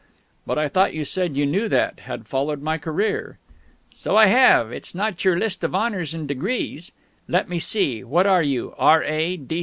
"But I thought you said you knew that had followed my career?" "So I have. It's not your list of honours and degrees; let me see, what are you? R.A.